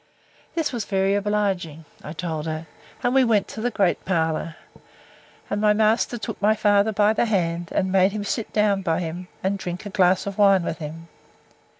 This was very obliging, I told her; and we went to the great parlour; and my master took my father by the hand, and made him sit down by him, and drink a glass of wine with him.